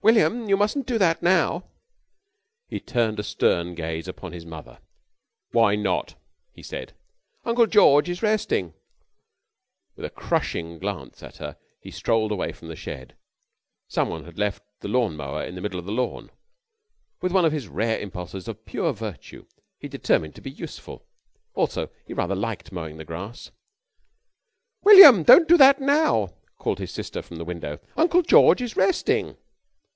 "William, you mustn't do that now." He turned a stern gaze upon his mother. "Why not?" he said. "Uncle George is resting." With a crushing glance at her he strolled away from the shed. Someone had left the lawn mower in the middle of the lawn. With one of his rare impulses of pure virtue he determined to be useful. Also, he rather liked mowing the grass. "William, don't do that now," called his sister from the window. "Uncle George is resting."